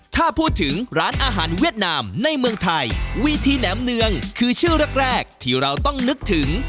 ถ้าพูดถึงร้านอาหารเวียดนามในเมืองไทยวีทีแหนมเนืองคือชื่อแรกแรกที่เราต้องนึกถึง